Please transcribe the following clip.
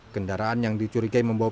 kepolisian kampung jawa barat